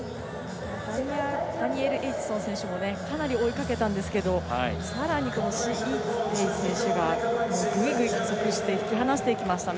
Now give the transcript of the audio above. ダニエル・エイチソン選手かなり追いかけたんですがさらに史逸てい選手がぐいぐい加速して引き離していきましたね。